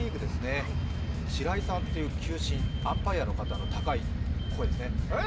白井さんという球審、アンパイヤの方の高い声ですね。